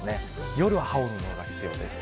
夜は羽織る物が必要です。